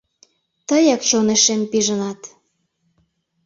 Тыяк чонешем пижынат...